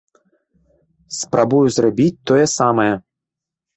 Спрабую зрабіць тое самае.